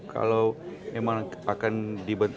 kalau memang akan dibentuk